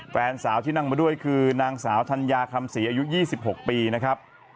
แฟนสาวที่นั่งมาด้วยคือนางสาวธัญญาคำศรีอายุ๒๖ปีนะครับ